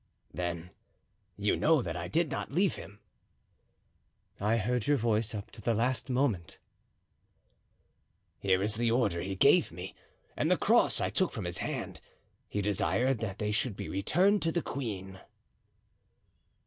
"Then you know that I did not leave him?" "I heard your voice up to the last moment." "Here is the order he gave me and the cross I took from his hand; he desired they should be returned to the queen."